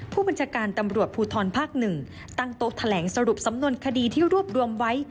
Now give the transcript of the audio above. ผู้บัญชาการตำรวจภูทรภาค๑ตั้งโต๊ะแถลงสรุปสำนวนคดีที่รวบรวมไว้